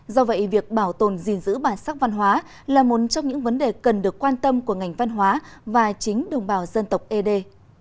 do vậy việc bảo tồn gìn giữ bản sắc văn hóa là một trong những vấn đề cần được quan tâm của ngành văn hóa và chính đồng bào dân tộc ế đê